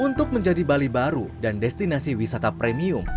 untuk menjadi bali baru dan destinasi wisata premium